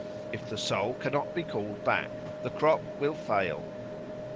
If the soul cannot be called back, the crop will fail.